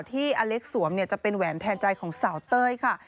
ที่อเล็กสวมจะเป็นแหวนแทนใจของสาวเต้ยค่ะ